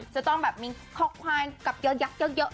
จะต้องแบบมีทอคไครน์กับเยอะนะคะ